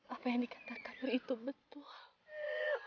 apa yang dikatakan itu betul